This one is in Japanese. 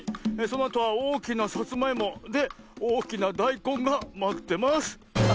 そのあとはおおきなさつまいも。でおおきなだいこんがまってます」。